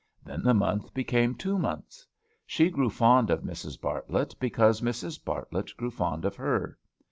Then the month became two months. She grew fond of Mrs. Bartlett, because Mrs. Bartlett grew fond of her.